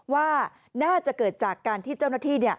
ว่าน่าจะเกิดจากการที่เจ้าหน้าที่